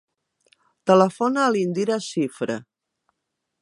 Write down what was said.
Telefona a l'Indira Cifre.